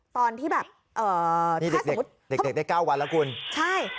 ตอนที่แบบเอ่อนี่เด็กเด็กได้๙วันแล้วคุณใช่